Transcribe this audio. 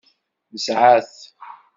Nesεa-t.